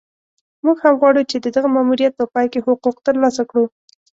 موږ هم غواړو چې د دغه ماموریت په پای کې حقوق ترلاسه کړو.